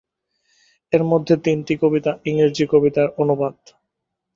এর মধ্যে তিনটি কবিতা ইংরেজি কবিতার অনুবাদ।